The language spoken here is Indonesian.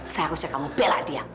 saya harusnya kamu belak dia